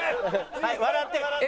はい笑って笑って。